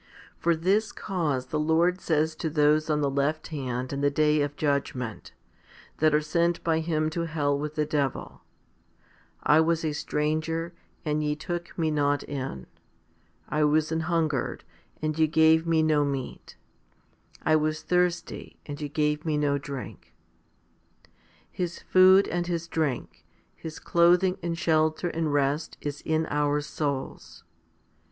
For this cause the Lord says to those on the left hand in the day of judgment, that are sent by Him to hell with the devil, / was a stranger, and ye took Me not in ; I was an hungered, and ye gave Me no meat ; 1 was thirsty, and ye gave me no drink? His food and His drink, His clothing and shelter and rest is in our souls.